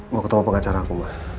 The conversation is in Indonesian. mau ketemu pengacara aku